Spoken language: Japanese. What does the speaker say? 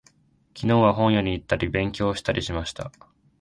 昨日は、本屋に行ったり、勉強したりしました。